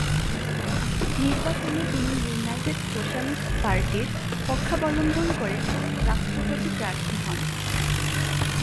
নির্বাচনে তিনি united socialist পার্টি’র পক্ষাবলম্বন করে রাষ্ট্রপতি প্রার্থী হন।